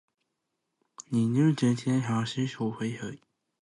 點解要花時間睇人哋現世點樣享受生活食好西放閃？